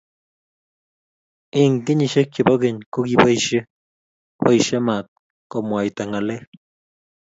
Eng kenyishe che bo keny ko kiboisie boisie maat komwaita ng'alek.